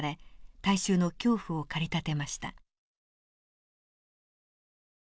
大衆の恐怖を駆り立てました。